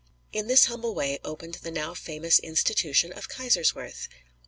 In this humble way opened the now famous institution of Kaiserswerth.